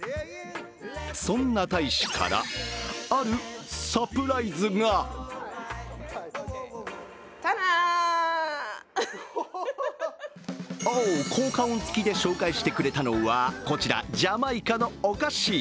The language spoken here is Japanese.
そんな大使から、あるサプライズがおおっ、効果音つきで紹介してくれたのは、こちら、ジャマイカのお菓子。